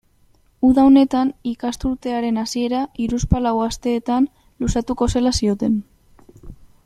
Uda honetan ikasturtearen hasiera hiruzpalau asteetan luzatuko zela zioten.